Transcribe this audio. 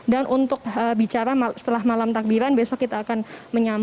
dan untuk bicara setelah malam takbiran besok kita akan berbicara